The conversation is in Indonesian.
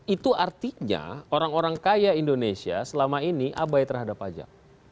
itu artinya orang orang kaya indonesia selama ini abai terhadap pajak